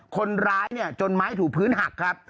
คนร้ายเนี่ยจนไม้ถูกพื้นหักครับ